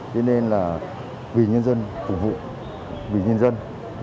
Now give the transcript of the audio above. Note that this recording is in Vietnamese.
thế nên là vì nhân dân phục vụ vì nhân dân